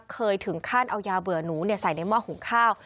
เคยถึงขั้นเอายาเบื่อหนูใส่ในหม้อหุงข้าว